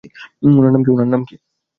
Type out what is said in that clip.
উনার নাম কী?